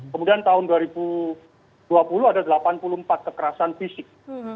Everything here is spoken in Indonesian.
kemudian tahun dua ribu dua puluh ada delapan puluh empat kekerasan fisik